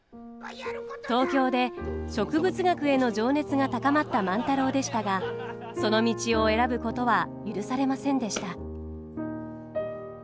東京で植物学への情熱が高まった万太郎でしたがその道を選ぶことは許されませんでした。